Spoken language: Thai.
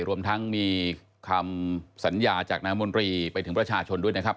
รวมทั้งมีคำสัญญาจากนามนตรีไปถึงประชาชนด้วยนะครับ